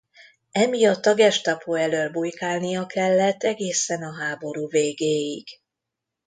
E miatt a Gestapo elől bujkálnia kellett egészen a háború végéig.